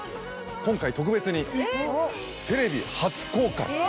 今回特別にテレビ初公開！